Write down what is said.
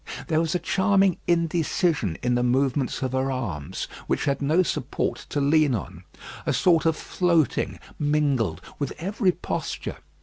There was a charming indecision in the movements of her arms, which had no support to lean on; a sort of floating mingled with every posture.